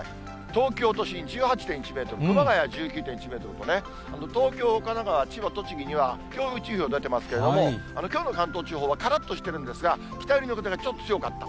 東京都心１８．１メートル、熊谷１９．１メートルとね、東京、神奈川、千葉、栃木には強風注意報出てますけれども、きょうの関東地方はからっとしてるんですが、北寄りの風がちょっと強かった。